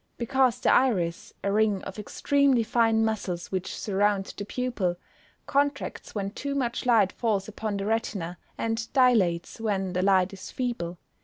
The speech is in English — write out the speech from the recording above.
_ Because the iris, a ring of extremely fine muscles which surround the pupil, contracts when too much light falls upon the retina, and dilates when the light is feeble.